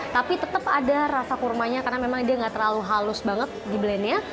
tapi tetap ada rasa kurmanya karena memang dia nggak terlalu halus banget di blendnya